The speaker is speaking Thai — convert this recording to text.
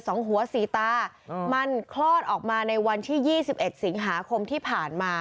สองหัวสีตามันคลอดออกมาในวันที่๒๑สิงหาคมที่ผ่านมา